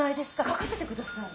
描かせてください。